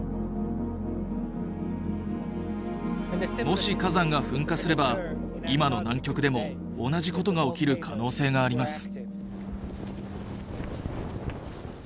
もし火山が噴火すれば今の南極でも同じことが起きる可能性があります。